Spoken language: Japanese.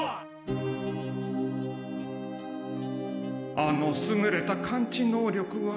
あのすぐれた感知能力は。